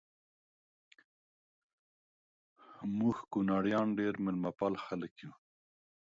مونږ کونړیان ډیر میلمه پاله خلک یو